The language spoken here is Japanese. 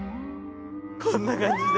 こんな感じで。